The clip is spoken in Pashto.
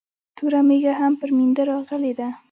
توره مېږه هم پر مينده راغلې ده